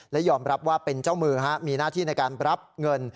และยอมรับว่าเป็นเจ้ามือมีหน้าที่ในการรับเงิน